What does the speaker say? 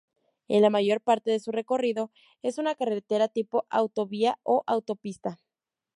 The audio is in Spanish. En la mayor parte de su recorrido es una carretera tipo autovía o Autopista.